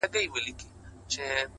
گراني رڼا مه كوه مړ به مي كړې _